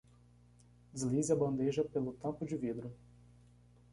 Deslize a bandeja pelo tampo de vidro.